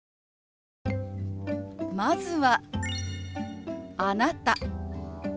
まずは「あなた」。